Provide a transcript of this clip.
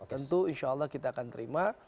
tentu insya allah kita akan terima